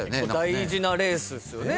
大事なレースっすよね。